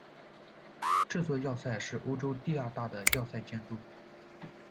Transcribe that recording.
这座要塞是欧洲第二大的要塞建筑。